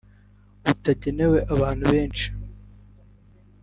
butagenewe abantu benshi